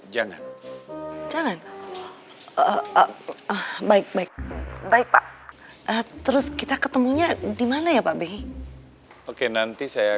jangan jangan baik baik baik pak terus kita ketemunya dimana ya pak bey oke nanti saya